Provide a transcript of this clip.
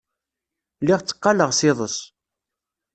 Lliɣ tteqqaleɣ s iḍes.